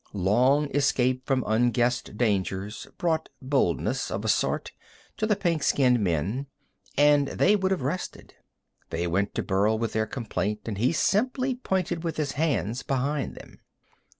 Long escape from unguessed dangers brought boldness, of a sort, to the pink skinned men, and they would have rested. They went to Burl with their complaint, and he simply pointed with his hands behind them.